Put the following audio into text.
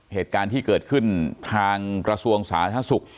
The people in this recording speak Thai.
เหตุการณ์ที่เกิดขึ้นทางกระทรวงสาธารณสุข